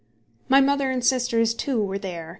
My mother and my sisters, too, were there.